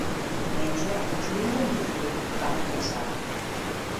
Diumenge en Juli i en Guifré van a Llançà.